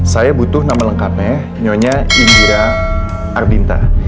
saya butuh nama lengkapnya nyonya indira arbinta